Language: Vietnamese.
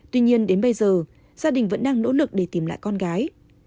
tuy nhiên đến bây giờ gia đình vẫn đang nỗ lực để tìm lại con gái